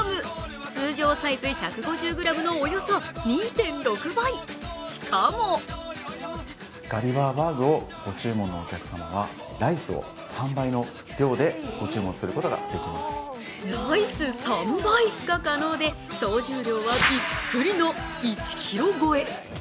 通常サイズ１５０ｇのおよそ２．６倍しかもライス３倍が可能で総重量はびっくりの１ｋｇ超え。